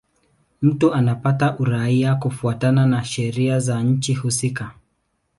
Mtu anapata uraia kufuatana na sheria za nchi husika.